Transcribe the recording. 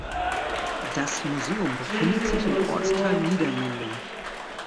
Das Museum befindet sich im Ortsteil Niedermendig.